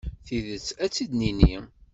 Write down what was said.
Tidet, ad tt-id-nini.